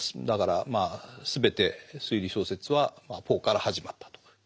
だからまあ全て推理小説はポーから始まったと。